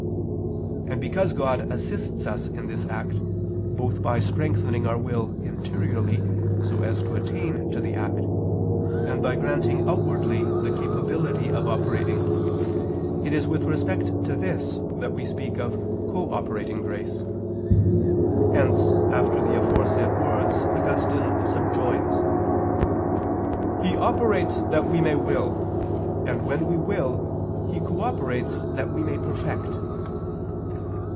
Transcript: And because God assists us in this act, both by strengthening our will interiorly so as to attain to the act, and by granting outwardly the capability of operating, it is with respect to this that we speak of cooperating grace. Hence after the aforesaid words Augustine subjoins: "He operates that we may will; and when we will, He cooperates that we may perfect."